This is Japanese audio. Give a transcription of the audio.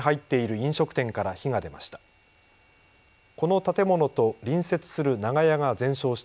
飲食店から火が出ました。